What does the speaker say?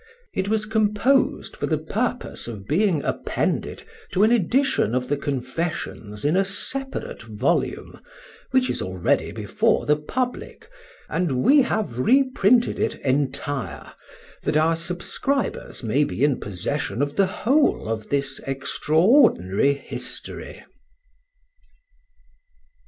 It was composed for the purpose of being appended to an edition of the Confessions in a separate volume, which is already before the public, and we have reprinted it entire, that our subscribers may be in possession of the whole of this extraordinary history.